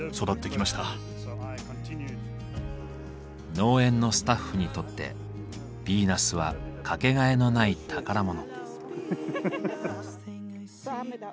農園のスタッフにとってヴィーナスは掛けがえのない宝物。